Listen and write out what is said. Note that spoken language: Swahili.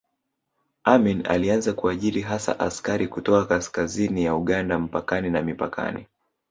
Amin alianza kuajiri hasa askari kutoka kaskazini ya Uganda mpakani na mipakani